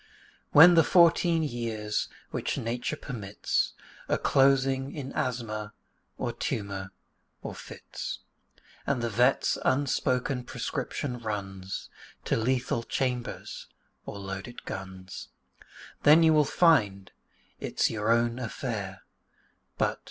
When the fourteen years which Nature permits Are closing in asthma, or tumour, or fits, And the vet's unspoken prescription runs To lethal chambers or loaded guns, Then you will find it's your own affair But...